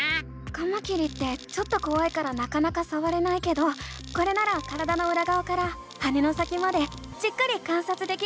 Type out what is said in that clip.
カマキリってちょっとこわいからなかなかさわれないけどこれなら体のうらがわから羽の先までじっくり観察できるね！